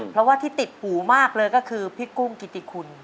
เพราะว่าที่ติดหูมากเลยก็คือพี่กุ้งกิติคุณ